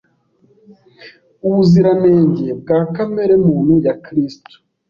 Ubuziranenge bwa kamere muntu ya Kristo.